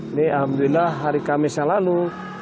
ini alhamdulillah hari kamis yang lalu